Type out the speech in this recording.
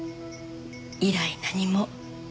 以来何も。